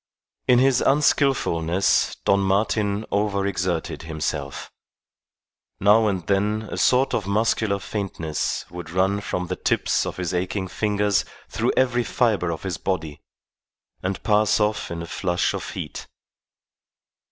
In his unskilfulness Don Martin over exerted himself. Now and then a sort of muscular faintness would run from the tips of his aching fingers through every fibre of his body, and pass off in a flush of heat.